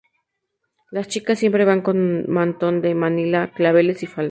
Las chicas siempre van con mantón de Manila, claveles y falda.